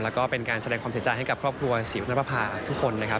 แล้วก็เป็นการแสดงความเสียใจให้กับครอบครัวศรีวณปภาทุกคนนะครับ